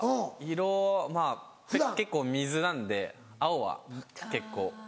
色まぁ結構水なんで青は結構多い。